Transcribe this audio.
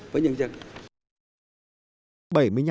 với nhân dân